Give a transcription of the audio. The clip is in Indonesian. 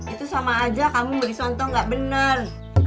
itu sama aja kamu berisonto nggak bener